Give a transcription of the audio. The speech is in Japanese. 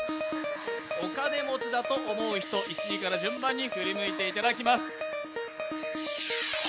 お金持ちだと思う人、１位から順番に振り向いていただきます。